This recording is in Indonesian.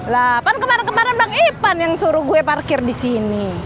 lah kan kemarah kemarah bang ipan yang suruh gue parkir disini